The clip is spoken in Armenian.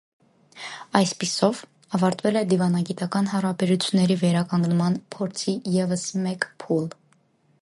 Այսպիսով՝ ավարտվել է դիվանագիտական հարաբերությունների վերականգնման փորձի ևս մեկ փուլ։